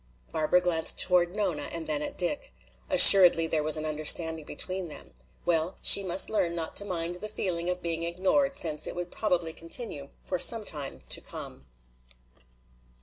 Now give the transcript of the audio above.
Barbara glanced toward Nona and then at Dick. Assuredly there was an understanding between them. Well, she must learn not to mind the feeling of being ignored since it would probably continue for some time to come.